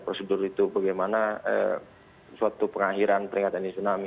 prosedur itu bagaimana suatu pengakhiran peringatan di tsunami